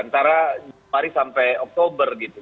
antara januari sampai oktober gitu